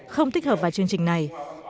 không tích hợp với chương trình này